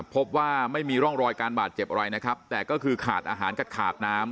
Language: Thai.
พบว่าไม่มีร่องรอยการบาดเจ็บอะไรนะครับแต่ก็คือขาดอาหารกับขาดน้ำ